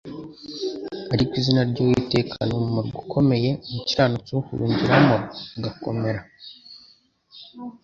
ariko «Izina ry'Uwiteka ni umuruara ukomeye umukiranutsi awuhurugiramo agakomera.»